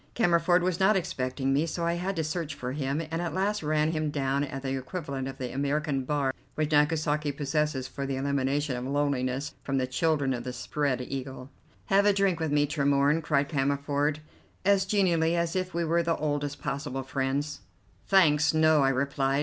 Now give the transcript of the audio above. Cammerford was not expecting me, so I had to search for him, and at last ran him down at the equivalent of the American bar which Nagasaki possesses for the elimination of loneliness from the children of the Spread Eagle. "Have a drink with me, Tremorne," cried Cammerford, as genially as if we were the oldest possible friends. "Thanks, no!" I replied.